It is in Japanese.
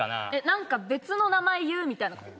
何か別の名前言うみたいなこと？